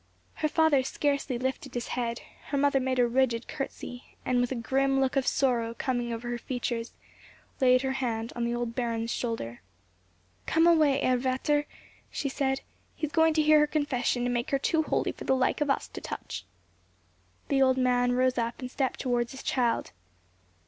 Her father scarcely lifted his head, her mother made a rigid curtsey, and with a grim look of sorrow coming over her features, laid her hand over the old Baron's shoulder. "Come away, Herr Vater," she said; "he is going to hear her confession, and make her too holy for the like of us to touch." The old man rose up, and stepped towards his child.